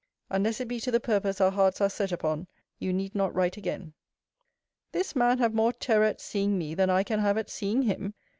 Unless it be to the purpose our hearts are set upon, you need not write again. This man have more terror at seeing me, than I can have at seeing him!